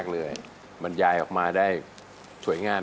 ขอบคุณค่ะ